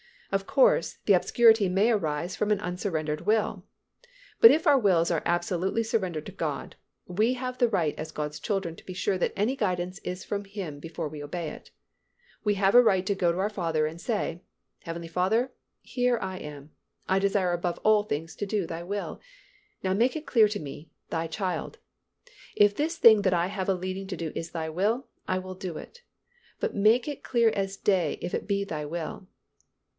Of course, the obscurity may arise from an unsurrendered will. But if our wills are absolutely surrendered to God, we have the right as God's children to be sure that any guidance is from Him before we obey it. We have a right to go to our Father and say, "Heavenly Father, here I am. I desire above all things to do Thy will. Now make it clear to me, Thy child. If this thing that I have a leading to do is Thy will, I will do it, but make it clear as day if it be Thy will."